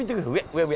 上上。